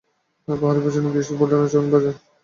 পাহাড়ের পেছনে দিশী পল্টনের ছাউনি, বাজার।